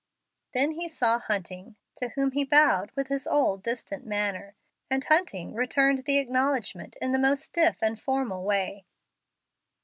Then he saw Hunting, to whom he bowed with his old, distant manner, and Hunting returned the acknowledgment in the most stiff and formal way.